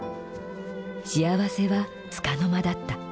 幸せは束の間だった。